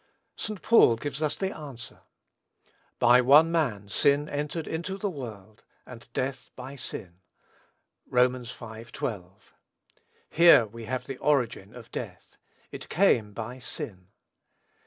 St. Paul gives us the answer: "By one man sin entered into the world, and death by sin." (Rom. v. 12.) Here we have the origin of death. It came by sin.